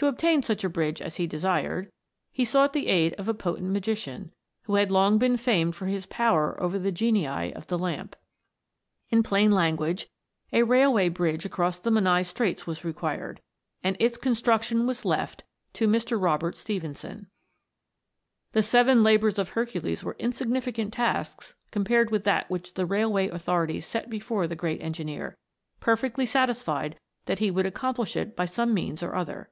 To obtain such a bridge as he desired, he sought the aid of a potent magician, who had long been famed for his power over the genii of the lamp. In plain langiiage, a railway bridge across the Menai Straits was required, and its construction was left to Mr. Robert Stephenson. The seven labours of Hercules were insignificant tasks compared with that which the railway au thorities set before the great engineer, perfectly satisfied that he would accomplish it by some means or other.